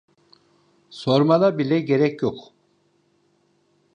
Sormana bile gerek yok.